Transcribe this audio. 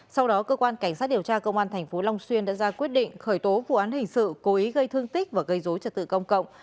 sau đó cơ quan cảnh sát điều tra công an tp long xuyên đã ra quyết định khởi tố vụ án hình sự cố ý gây thương tích và gây dối trật tự công cộng